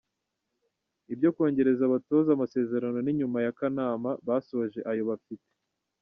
Ibyo kongerera abatoza amasezerano ni nyuma ya Kanama basoje ayo bafite.